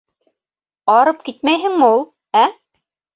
Арып китмәйһеңме ул, ә?!